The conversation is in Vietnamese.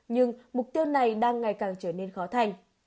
nhưng mục tiêu này đang ngày càng trở nên khó khăn